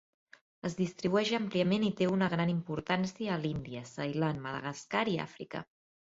Es distribueix àmpliament i té una gran importància a l'Índia, Ceilan, Madagascar i Àfrica.